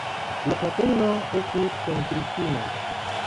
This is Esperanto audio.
Lia patrino estis pentristino.